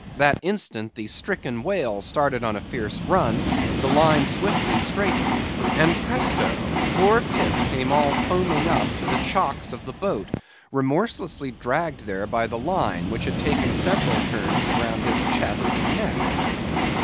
That instant the stricken whale started on a fierce run, the line swiftly straightened; and presto! poor Pip came all foaming up to the chocks of the boat, remorselessly dragged there by the line, which had taken several turns around his chest and neck.